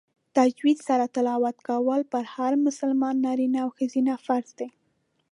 تجوید سره تلاوت کول په هر مسلمان نارینه او ښځینه فرض دی